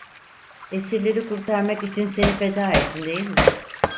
Esirleri kurtarmak için seni feda ettim değil mi?